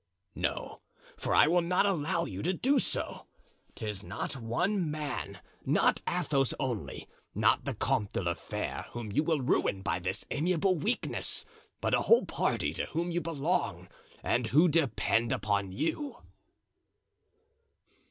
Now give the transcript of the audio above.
"No, for I will not allow you to do so. 'Tis not one man, not Athos only, not the Comte de la Fere whom you will ruin by this amiable weakness, but a whole party to whom you belong and who depend upon you."